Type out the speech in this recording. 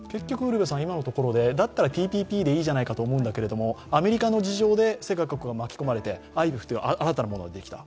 今のところで、だったらＴＰＰでいいんじゃないかと思うんだけれどもアメリカの事情で世界各国が巻き込まれてＩＰＥＦっていう新たなものができた。